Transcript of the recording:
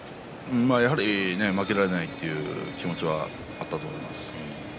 やはり負けられないという気持ちはあったと思います。